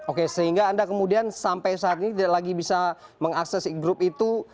oke sehingga anda kemudian sampai saat ini tidak lagi bisa mengakses grup itu